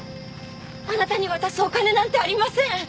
あなたに渡すお金なんてありません！